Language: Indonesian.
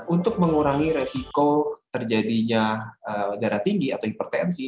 untuk mengurangi resiko terjadinya darah tinggi atau hipertensi